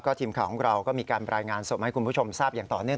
ทีมข่าวของเราก็มีการรายงานสดให้คุณผู้ชมทราบอย่างต่อเนื่อง